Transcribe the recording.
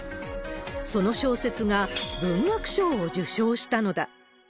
その小説が文学賞を受賞したのだ。